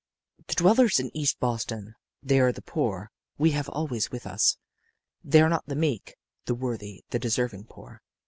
"The dwellers in East Boston they are the poor we have always with us. They are not the meek, the worthy, the deserving poor.